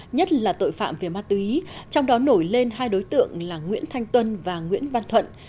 nhất là tội phạm về mát tư ý trong đó nổi lên hai đối tượng là nguyễn thanh tuân và nguyễn văn thuận